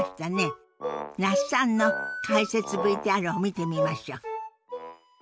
那須さんの解説ＶＴＲを見てみましょう。